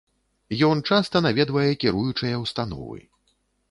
Ён часта наведвае кіруючыя ўстановы.